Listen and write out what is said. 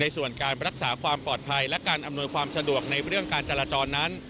ส่วนการรักษาความปลอดภัยและการอำนวยความสะดวกในเรื่องการจราจรนั้น